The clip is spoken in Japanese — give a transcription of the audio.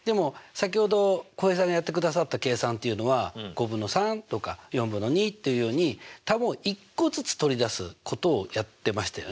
先ほど浩平さんがやってくださった計算っていうのは５分の３とか４分の２というように球を１個ずつ取り出すことをやってましたよね。